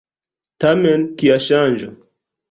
Tamen kia ŝanĝo!